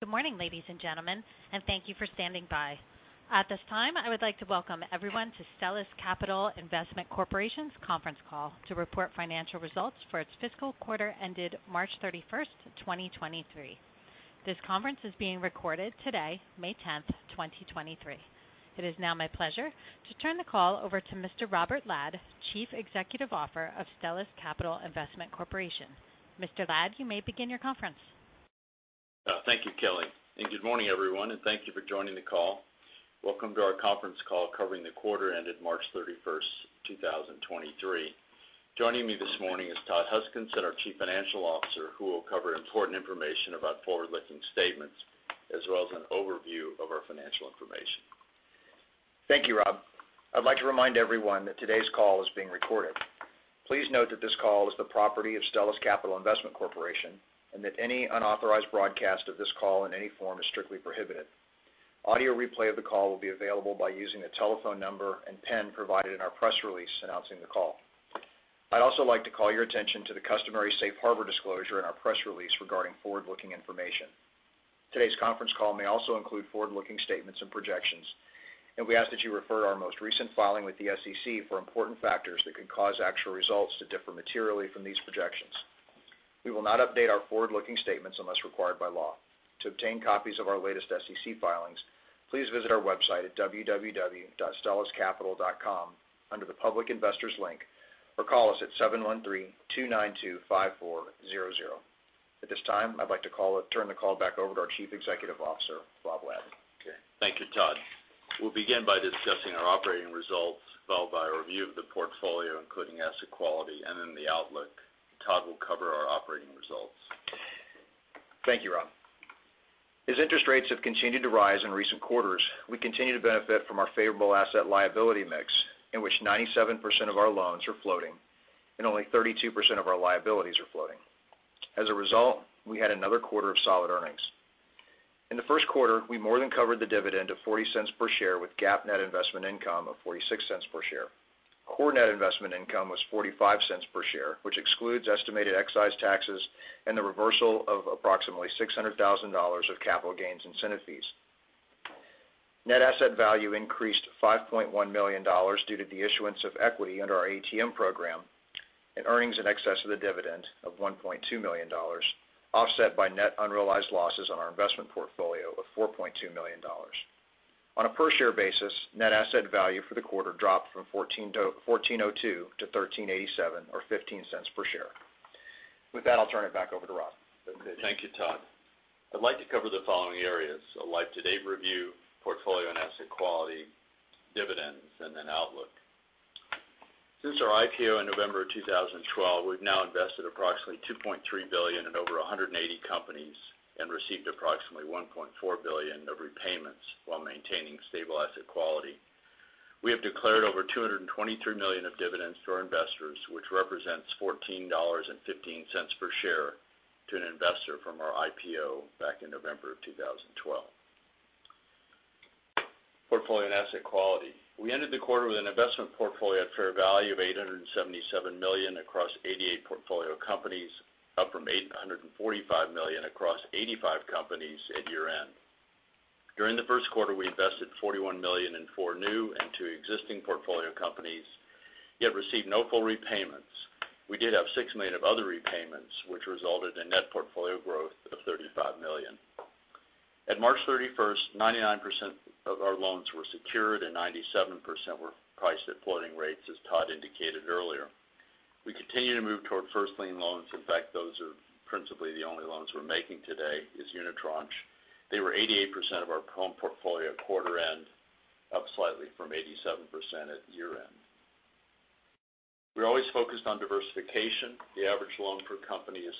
Good morning, ladies and gentlemen. Thank you for standing by. At this time, I would like to welcome everyone to Stellus Capital Investment Corporation's conference call to report financial results for its fiscal quarter ended March 31st, 2023. This conference is being recorded today, May 10th, 2023. It is now my pleasure to turn the call over to Mr. Robert Ladd, Chief Executive Officer of Stellus Capital Investment Corporation. Mr. Ladd, you may begin your conference. Thank you, Kelly, and good morning, everyone, and thank you for joining the call. Welcome to our conference call covering the quarter ended March 31st, 2023. Joining me this morning is Todd Huskinson, our Chief Financial Officer, who will cover important information about forward-looking statements as well as an overview of our financial information. Thank you, Robert. I'd like to remind everyone that today's call is being recorded. Please note that this call is the property of Stellus Capital Investment Corporation, and that any unauthorized broadcast of this call in any form is strictly prohibited. Audio replay of the call will be available by using the telephone number and pin provided in our press release announcing the call. I'd also like to call your attention to the customary safe harbor disclosure in our press release regarding forward-looking information. Today's conference call m ay also include forward-looking statements and projections, and we ask that you refer to our most recent filing with the SEC for important factors that could cause actual results to differ materially from these projections. We will not update our forward-looking statements unless required by law. To obtain copies of our latest SEC filings, please visit our website at www.stelluscapital.com under the Public Investors link, or call us at 713-292-5400. At this time, I'd like to turn the call back over to our Chief Executive Officer, Robert Ladd. Thank you, Todd. We'll begin by discussing our operating results, followed by a review of the portfolio, including asset quality, and then the outlook. Todd will cover our operating results. Thank you, Robert. As interest rates have continued to rise in recent quarters, we continue to benefit from our favorable asset liability mix, in which 97% of our loans are floating and only 32% of our liabilities are floating. As a result, we had another quarter of solid earnings. In the first quarter, we more than covered the dividend of $0.40 per share with GAAP net investment income of $0.46 per share. Core net investment income was $0.45 per share, which excludes estimated excise taxes and the reversal of approximately $600,000 of capital gains incentive fees. Net asset value increased $5.1 million due to the issuance of equity under our ATM program and earnings in excess of the dividend of $1.2 million, offset by net unrealized losses on our investment portfolio of $4.2 million. On a per share basis, net asset value for the quarter dropped from $14.02 to $13.87, or $0.15 per share. With that, I'll turn it back over to Robert. Thank you, Todd. I'd like to cover the following areas. A like today review, portfolio and asset quality, dividends, outlook. Since our IPO in November 2012, we've now invested approximately $2.3 billion in over 180 companies and received approximately $1.4 billion of repayments while maintaining stable asset quality. We have declared over $223 million of dividends to our investors, which represents $14.15 per share to an investor from our IPO back in November 2012. Portfolio and asset quality. We ended the quarter with an investment portfolio at fair value of $877 million across 88 portfolio companies, up from $845 million across 85 companies at year-end. During the first quarter, we invested $41 million in four new and two existing portfolio companies, yet received no full repayments. We did have $6 million of other repayments, which resulted in net portfolio growth of $35 million. At March 31st, 99% of our loans were secured and 97% were priced at floating rates, as Todd indicated earlier. We continue to move toward first lien loans. In fact, those are principally the only loans we're making today is unitranche. They were 88% of our home portfolio at quarter end, up slightly from 87% at year-end. We're always focused on diversification. The average loan per company is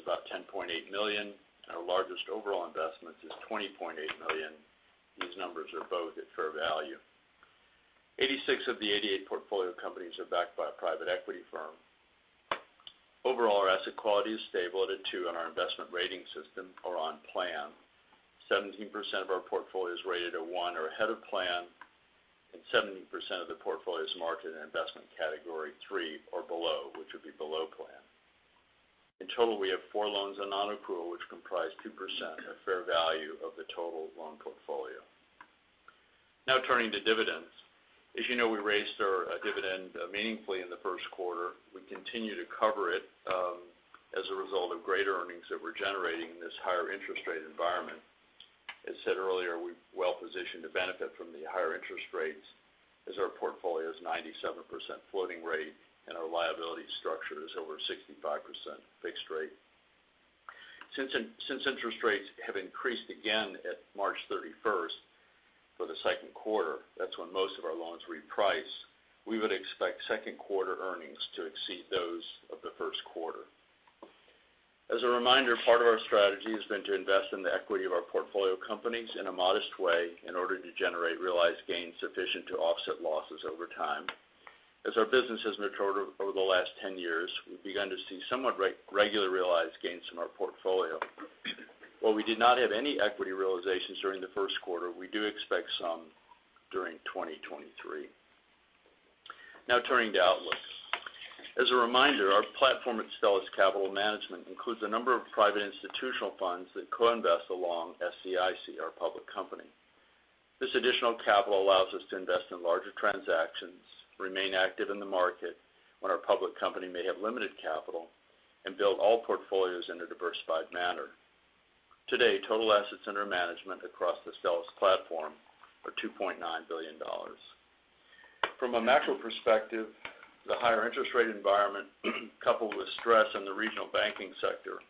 about $10.8 million. Our largest overall investment is $20.8 million. These numbers are both at fair value. 86 of the 88 portfolio companies are backed by a private equity firm. Overall, our asset quality is stable at a two on our investment rating system or on plan. 17% of our portfolio is rated a one or ahead of plan, and 70% of the portfolio is marked in investment category 3 or below, which would be below plan. In total, we have 4 loans on non-accrual, which comprise 2% of fair value of the total loan portfolio. Now turning to dividends. As you know, we raised our dividend meaningfully in the Q1. We continue to cover it as a result of greater earnings that we're generating in this higher interest rate environment. As said earlier, we're well-positioned to benefit from the higher interest rates as our portfolio is 97% floating rate and our liability structure is over 65% fixed rate. Since interest rates have increased again at March 31st for the Q2, that's when most of our loans reprice, we would expect Q2 earnings to exceed those of the Q1. As a reminder, part of our strategy has been to invest in the equity of our portfolio companies in a modest way in order to generate realized gains sufficient to offset losses over time. As our business has matured over the last 10 years, we've begun to see somewhat re-regular realized gains from our portfolio. While we did not have any equity realizations during the Q1, we do expect some during 2023. Turning to outlook. As a reminder, our platform at Stellus Capital Management includes a number of private institutional funds that co-invest along SCIC, our public company. This additional capital allows us to invest in larger transactions, remain active in the market when our public company may have limited capital, and build all portfolios in a diversified manner. Today, total assets under management across the Stellus platform are $2.9 billion. From a macro perspective, the higher interest rate environment, coupled with stress in the regional banking sector,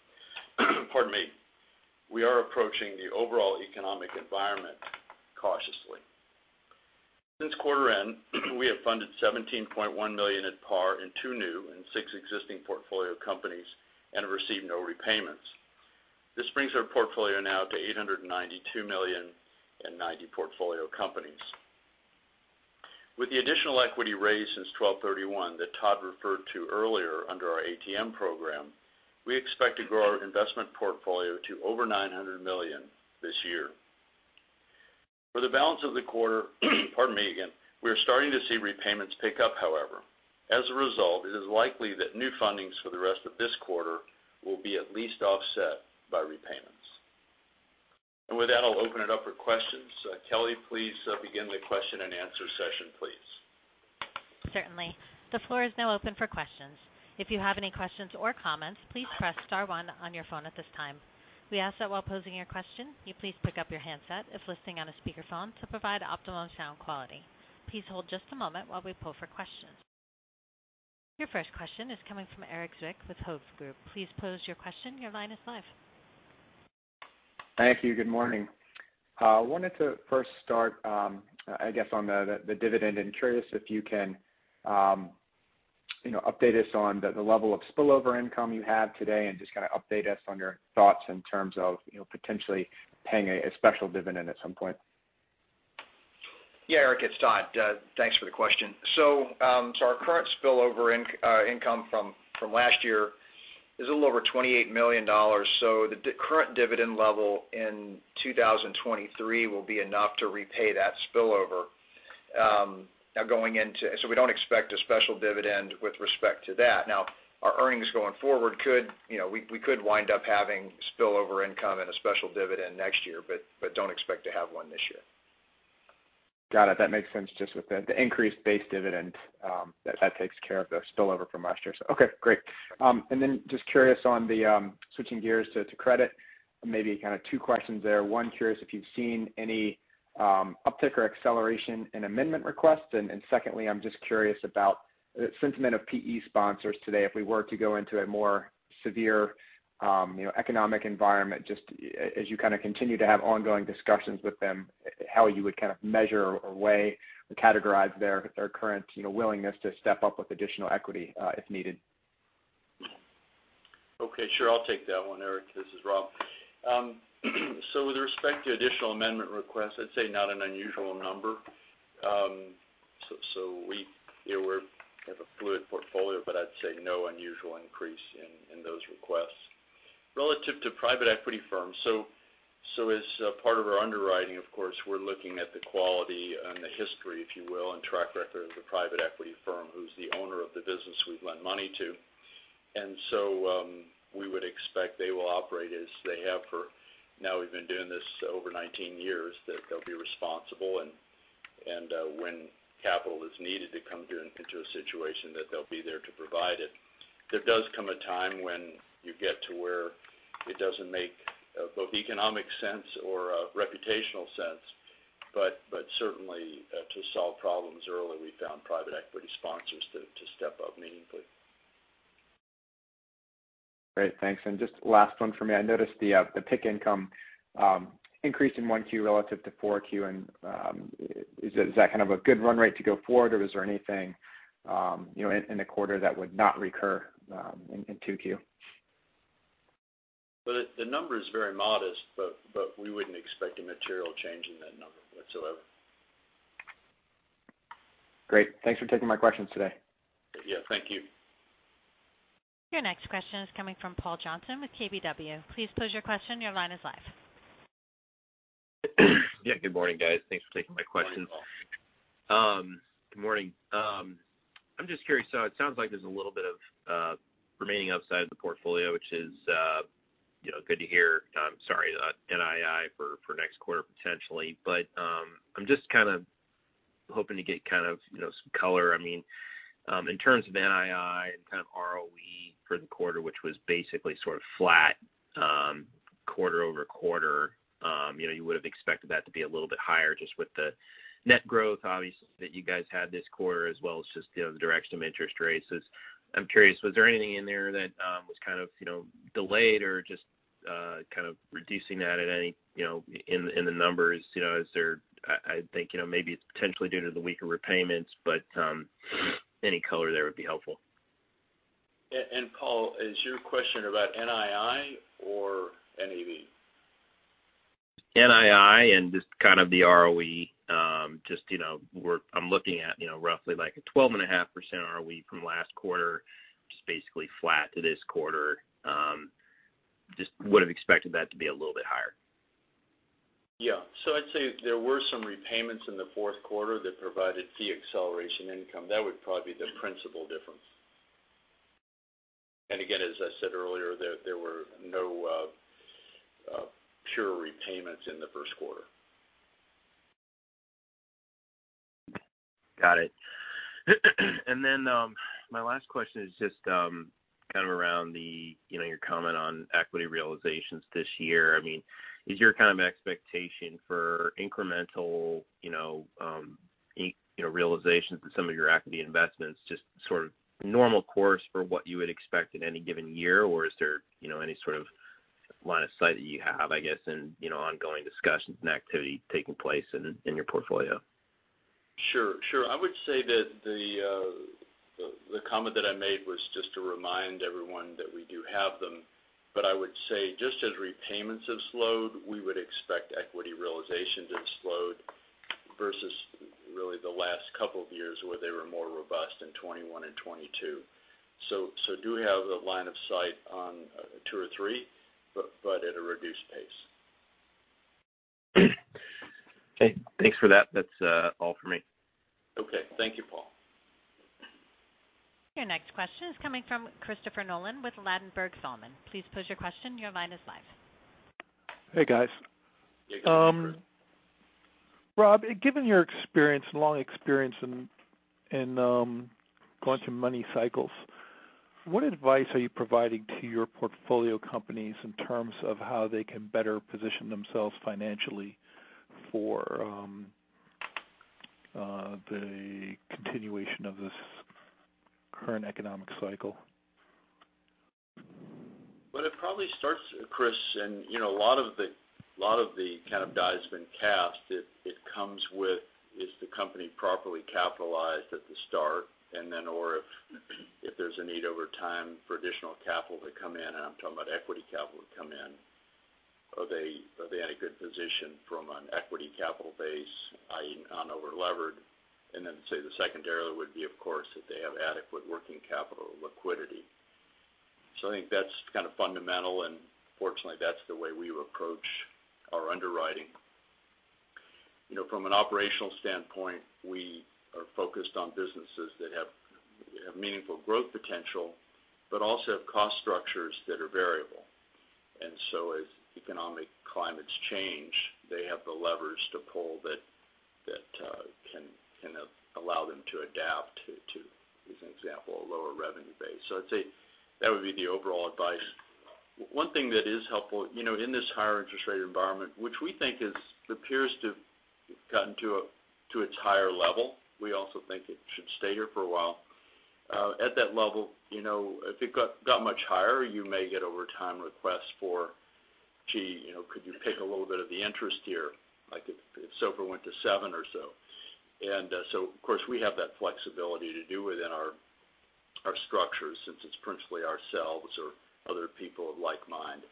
pardon me, we are approaching the overall economic environment cautiously. Since quarter end, we have funded $17.1 million at par in two new and six existing portfolio companies and received no repayments. This brings our portfolio now to $892 million in 90 portfolio companies. With the additional equity raised since 12/31 that Todd referred to earlier under our ATM program, we expect to grow our investment portfolio to over $900 million this year. For the balance of the quarter, pardon me again. We are starting to see repayments pick up, however. As a result, it is likely that new fundings for the rest of this quarter will be at least offset by repayments. With that, I'll open it up for questions. Kelly, please begin the question and answer session, please. Certainly. The floor is now open for questions. If you have any questions or comments, please press star one on your phone at this time. We ask that while posing your question, you please pick up your handset if listening on a speakerphone to provide optimum sound quality. Please hold just a moment while we poll for questions. Your first question is coming from Erik Zwick with Hovde Group. Please pose your question. Your line is live. Thank you. Good morning. wanted to first start, I guess, on the dividend. I'm curious if you can, you know, update us on the level of spillover income you have today and just kind of update us on your thoughts in terms of, you know, potentially paying a special dividend at some point. Yeah, Erik, it's Todd. Thanks for the question. Our current spillover income from last year is a little over $28 million. The current dividend level in 2023 will be enough to repay that spillover. We don't expect a special dividend with respect to that. Now, our earnings going forward could, you know, we could wind up having spillover income and a special dividend next year, but don't expect to have one this year. Got it. That makes sense just with the increased base dividend, that takes care of the spillover from last year. Okay, great. Then just curious on the switching gears to credit, maybe kind of two questions there. One, curious if you've seen any uptake or acceleration in amendment requests. Secondly, I'm just curious about the sentiment of PE sponsors today if we were to go into a more severe, you know, economic environment, as you kind of continue to have ongoing discussions with them, how you would kind of measure or weigh or categorize their current, you know, willingness to step up with additional equity, if needed. Okay, sure. I'll take that one, Erik. This is Robert With respect to additional amendment requests, I'd say not an unusual number. We, you know, we have a fluid portfolio, but I'd say no unusual increase in those requests. Relative to private equity firms, as part of our underwriting, of course, we're looking at the quality and the history, if you will, and track record of the private equity firm who's the owner of the business we've lent money to. We would expect they will operate as they have for now we've been doing this over 19 years, that they'll be responsible and, when capital is needed to come into a situation that they'll be there to provide it. There does come a time when you get to where it doesn't make both economic sense or reputational sense. Certainly, to solve problems early, we've found private equity sponsors to step up meaningfully. Great. Thanks. Just last one for me. I noticed the the PIK income increased in one Q relative to four Q. Is that kind of a good run rate to go forward, or is there anything, you know, in the quarter that would not recur in two Q? Well, the number is very modest, but we wouldn't expect a material change in that number whatsoever. Great. Thanks for taking my questions today. Yeah, thank you. Your next question is coming from Paul Johnson with KBW. Please pose your question. Your line is live. Yeah, good morning, guys. Thanks for taking my question. Good morning, Paul. Good morning. I'm just curious. It sounds like there's a little bit of remaining upside of the portfolio, which is, you know, good to hear, sorry, NII for next quarter potentially. I'm just hoping to get, you know, some color. I mean, in terms of NII and kind of ROE for the quarter, which was basically sort of flat, quarter-over-quarter, you know, you would've expected that to be a little bit higher just with the net growth obviously that you guys had this quarter as well as just, you know, the direction of interest rates is... I'm curious, was there anything in there that was kind of, you know, delayed or just kind of reducing that at any, you know, in the numbers, you know, I think, you know, maybe it's potentially due to the weaker repayments, but any color there would be helpful. Paul, is your question about NII or NAV? NII and just kind of the ROE. Just, you know, I'm looking at, you know, roughly like a 12.5% ROE from last quarter, just basically flat to this quarter. Just would've expected that to be a little bit higher. Yeah. I'd say there were some repayments in the Q4 that provided fee acceleration income. That would probably be the principal difference. Again, as I said earlier, there were no pure repayments in theQ1. Got it. My last question is just, kind of around the, you know, your comment on equity realizations this year. I mean, is your kind of expectation for incremental, you know, in, you know, realizations to some of your equity investments just sort of normal course for what you would expect in any given year? Or is there, you know, any sort of line of sight that you have, I guess, in, you know, ongoing discussions and activity taking place in your portfolio? Sure, sure. I would say that the comment that I made was just to remind everyone that we do have them. I would say just as repayments have slowed, we would expect equity realization to have slowed versus really the last couple of years where they were more robust in 21 and 22. Do we have the line of sight on 2 or 3, but at a reduced pace. Okay, thanks for that. That's all for me. Okay. Thank you, Paul. Your next question is coming from Christopher Nolan with Ladenburg Thalmann. Please pose your question. Your line is live. Hey, guys. Hey, Christopher. Robert, given your experience, long experience in, going through money cycles, what advice are you providing to your portfolio companies in terms of how they can better position themselves financially for, the continuation of this current economic cycle? It probably starts, Christopher Nolan, you know, a lot of the, lot of the kind of die has been cast. It, it comes with, is the company properly capitalized at the start? Or if there's a need over time for additional capital to come in, and I'm talking about equity capital to come in, are they, are they in a good position from an equity capital base, i.e. on over-levered? Say the second area would be, of course, if they have adequate working capital liquidity. I think that's kind of fundamental, and fortunately, that's the way we approach our underwriting. You know, from an operational standpoint, we are focused on businesses that have, that have meaningful growth potential, but also have cost structures that are variable. As economic climates change, they have the levers to pull that can allow them to adapt to, as an example, a lower revenue base. I'd say that would be the overall advice. One thing that is helpful, you know, in this higher interest rate environment, which we think is, appears to have gotten to its higher level. We also think it should stay here for a while. At that level, you know, if it got much higher, you may get over time requests for, gee, you know, could you pay a little bit of the interest here, like if SOFR went to 7 or so. Of course, we have that flexibility to do within our structures since it's principally ourselves or other people of like mind.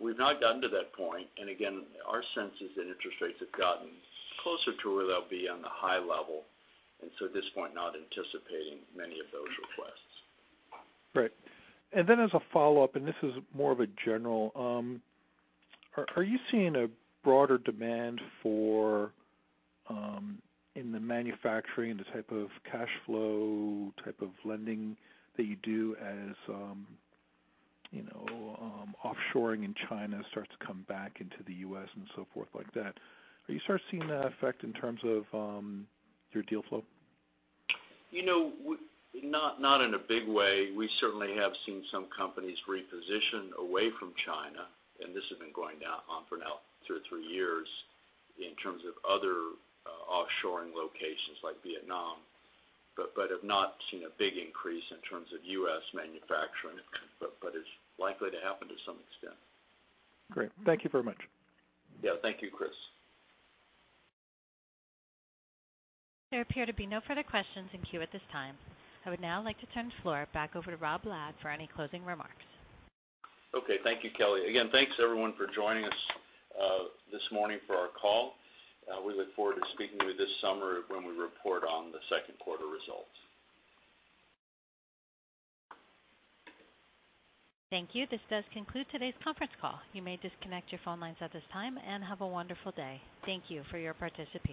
We've not gotten to that point. Again, our sense is that interest rates have gotten closer to where they'll be on the high level. At this point, not anticipating many of those requests. Right. As a follow-up, and this is more of a general, Are you seeing a broader demand for in the manufacturing, the type of cash flow, type of lending that you do as, you know, offshoring in China starts to come back into the U.S. and so forth like that? Are you seeing that effect in terms of your deal flow? You know, not in a big way. We certainly have seen some companies reposition away from China, and this has been going now, for now 2 or 3 years in terms of other offshoring locations like Vietnam, but have not seen a big increase in terms of U.S. manufacturing, but it's likely to happen to some extent. Great. Thank you very much. Yeah. Thank you, Chris. There appear to be no further questions in queue at this time. I would now like to turn the floor back over to Robert Ladd for any closing remarks. Okay. Thank you, Kelly. Again, thanks everyone for joining us, this morning for our call. We look forward to speaking with you this summer when we report on the Q2 results. Thank you. This does conclude today's conference call. You may disconnect your phone lines at this time. Have a wonderful day. Thank you for your participation.